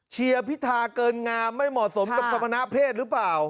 เชียร์พิธาเกินงามไม่เหมาะสมกับสมณเพศหรือเปล่า